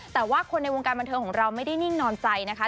แต่ว่าคนในวงการบันเทิงของเราไม่ได้นิ่งนอนใจนะคะ